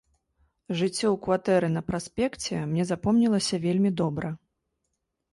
Жыццё ў кватэры на праспекце мне запомнілася вельмі добра.